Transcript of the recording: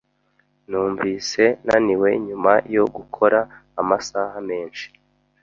Numvise naniwe nyuma yo gukora amasaha menshi.